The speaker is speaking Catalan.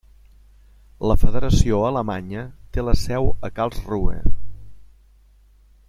La Federació alemanya té la seu a Karlsruhe.